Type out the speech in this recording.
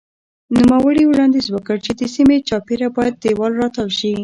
نوموړي وړاندیز وکړ چې د سیمې چاپېره باید دېوال راتاو شي.